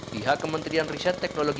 pihak kementerian riset teknologi